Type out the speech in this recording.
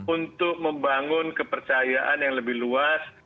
untuk membangun kepercayaan yang lebih luas